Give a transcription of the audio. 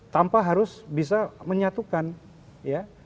tanpa harus bisa menyatukan ya